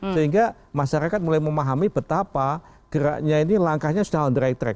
sehingga masyarakat mulai memahami betapa geraknya ini langkahnya sudah on the right track